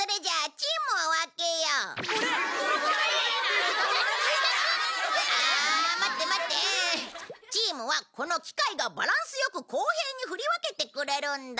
チームはこの機械がバランスよく公平に振り分けてくれるんだ。